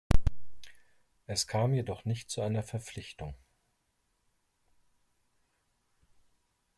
Es kam jedoch nicht zu einer Verpflichtung.